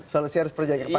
solusi harus di pak jk tadi